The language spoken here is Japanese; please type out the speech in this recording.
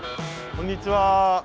こんにちは。